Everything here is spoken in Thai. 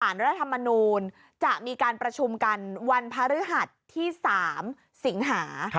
รัฐธรรมนูลจะมีการประชุมกันวันพระฤหัสที่๓สิงหา